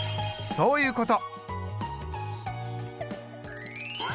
そういうこと。